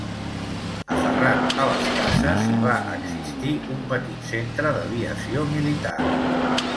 Aferrat a les cases hi va existir un petit centre d'aviació militar.